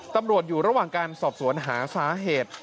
ตำรวจอยู่ระหว่างการสอบสวนหาสาเหตุ